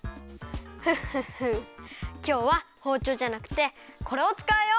フッフッフきょうはほうちょうじゃなくてこれをつかうよ！